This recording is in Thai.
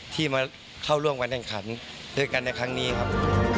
ที่มาเข้าร่วมการแข่งขันด้วยกันในครั้งนี้ครับ